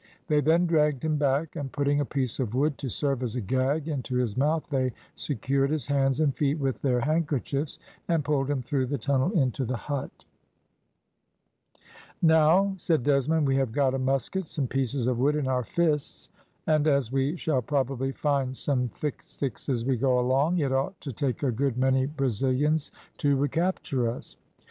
They then dragged him back, and, putting a piece of wood, to serve as a gag, into his mouth, they secured his hands and feet with their handkerchiefs, and pulled him through the tunnel into the hut. "Now," said Desmond, "we have got a musket, some pieces of wood, and our fists; and, as we shall probably find some thick sticks as we go along, it ought to take a good many Brazilians to recapture us."